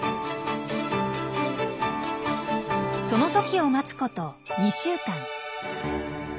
その時を待つこと２週間。